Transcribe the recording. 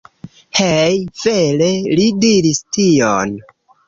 Hej? Vere? Li diris tion?